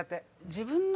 自分の。